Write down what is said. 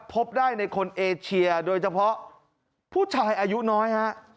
พบได้ในคนเอเชียโดยเฉพาะผู้ชายอายุน้อยฮะ